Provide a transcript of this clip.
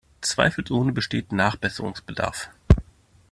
Zweifelsohne besteht Nachbesserungsbedarf.